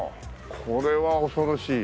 これは恐ろしい。